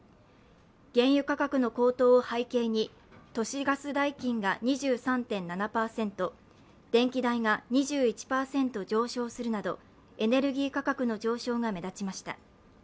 原油価格の高騰を背景に都市ガス代金が２３．７％電気代が２１％上昇するなどエネルギー価格の上昇が目立ちました。